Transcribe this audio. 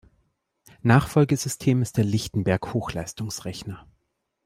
Nachfolgesystem ist der Lichtenberg-Hochleistungsrechner.